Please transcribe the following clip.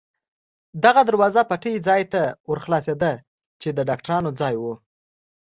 دغه دروازه پټۍ ځای ته ور خلاصېده، چې د ډاکټرانو ځای و.